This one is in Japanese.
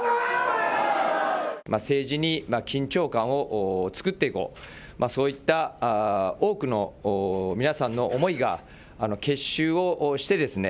政治に緊張感を作っていこうそういった多くの皆さんの思いが結集をしてですね